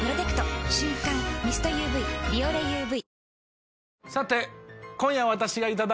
瞬感ミストＵＶ「ビオレＵＶ」